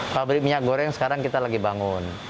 pabrik minyak goreng sekarang kita lagi bangun